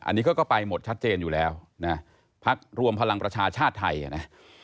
อันนี้ก็ไปหมดชัดเจนอยู่แล้วนะพักรวมพลังประชาชาติไทยนะ